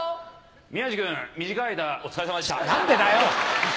宮治君、短い間、お疲れさまなんでだよ。